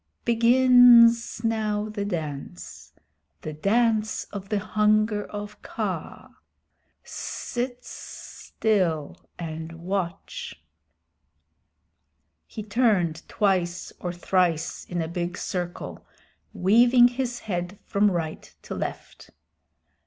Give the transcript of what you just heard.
Begins now the dance the Dance of the Hunger of Kaa. Sit still and watch." He turned twice or thrice in a big circle, weaving his head from right to left.